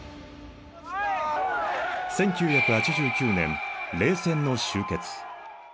１９８９年冷戦の終結。